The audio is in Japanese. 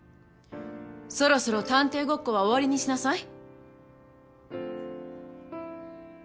そろそろ探偵ごっこは終わりにしなさい。